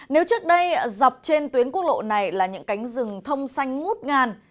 nếu trước đây dọc trên tuyến quốc lộ này là những cánh rừng thông xanh ngút ngàn